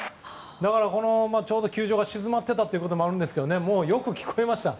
だから、ちょうど球場が静まっていたこともあるんですがよく聞こえました。